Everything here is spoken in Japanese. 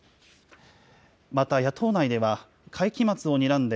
また野党内では、会期末をにらんで、